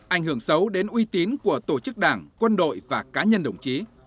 ảnh hưởng xấu đến uy tín của tổ chức đảng quân đội và cá nhân đồng chí